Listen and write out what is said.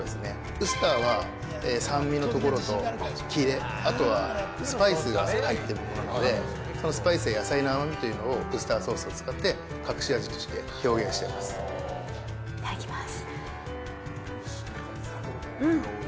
ウスターは酸味のところとキレ、あとはスパイスが入っているのもあって、スパイスや野菜の甘みというのをウスターソースを使って隠し味といただきます。